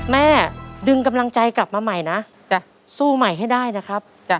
ดึงกำลังใจกลับมาใหม่นะสู้ใหม่ให้ได้นะครับ